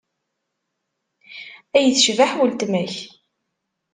Ay tecbeḥ weltma-k!